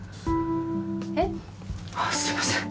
えっ？あっすみません。